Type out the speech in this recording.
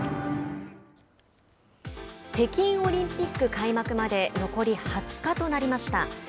北京オリンピック開幕まで残り２０日となりました。